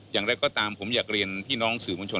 อย่างไรก็ตามผมอยากเรียนพี่น้องสื่อมวลชน